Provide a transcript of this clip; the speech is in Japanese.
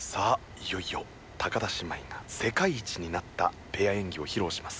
いよいよ田姉妹が世界一になったペア演技を披露します。